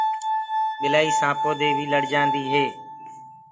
ٻِلآئي سآنپو دي بي لڙ جآندي هي۔